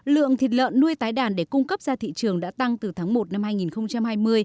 lượng thịt lợn nuôi tái đàn để cung cấp ra thị trường đã tăng từ tháng một năm hai nghìn hai mươi